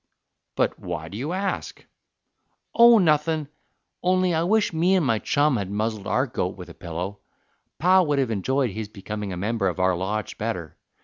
"But why do you ask?" "Oh, nothin', only I wish me and my chum had muzzled our goat with a pillow. Pa would have enjoyed his becoming a member of our lodge better.